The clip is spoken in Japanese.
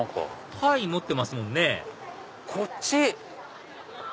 タイ持ってますもんねこっち。